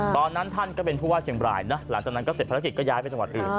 ตอนนั้นท่านก็เป็นผู้ว่าเชียงบรายนะหลังจากนั้นก็เสร็จภารกิจก็ย้ายไปจังหวัดอื่น